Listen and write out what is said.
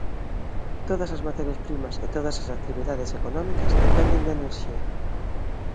Todas as materias primas e todas as actividades económicas dependen da enerxía.